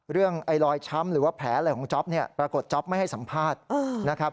เรื่องรอยช้ำหรือแผลอะไรของจ๊อปปรากฏจ๊อปไม่ให้สัมภาษณ์